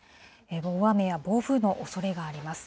大雨や暴風のおそれがあります。